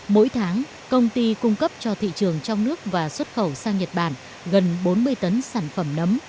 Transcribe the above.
mỗi tháng công ty cung cấp cho thị trường trong nước và xuất khẩu sang nhật bản gần bốn mươi tấn sản phẩm nấm